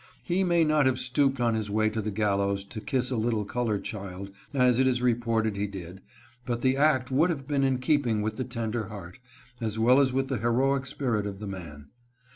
He may not have stooped on his way to the gallows to kiss a little colored child, as it is reported he did, but the act would have been in keeping with the tender heart, as well as with the heroic spirit of the man.